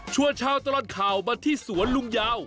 ชาวตลอดข่าวมาที่สวนลุงยาว